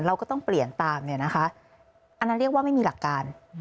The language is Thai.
เราก็ต้องเปลี่ยนตามเนี่ยนะคะอันนั้นเรียกว่าไม่มีหลักการ